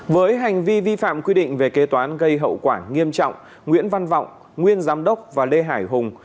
với hành vi vi phạm quy định về kế toán gây hậu quả nghiêm trọng nguyễn văn vọng nguyên giám đốc và lê hải hùng